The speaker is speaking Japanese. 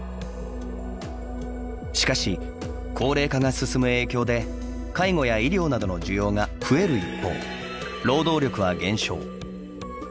しかし、高齢化が進む影響で介護や医療などの需要が増える一方、労働力は減少。